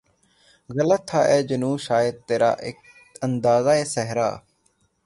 غلط تھا اے جنوں شاید ترا اندازۂ صحرا